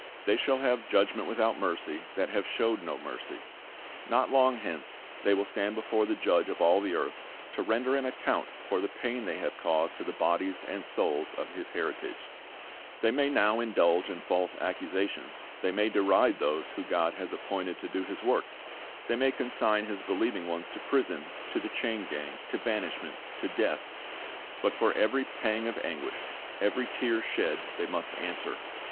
They "siiall hax'c judgment \\ithout mere)'" that have "showed no mercy." ^ Not long hence they will stand before 1 Isa. 26 : 20, 21 ■■' James 2:13 ''Shall Not God Avcjigc His Oiunf" 179 the Judge of all the earth, to render an account for the pain they have caused to the bodies and souls of His heritage. They may now indulge in false accusations, they may deride those whom God has appointed to do His work, they may consign His believing ones to prison, to the chain gang, to banishment, to death; but for every pang of anguish, every tear shed, they must answer.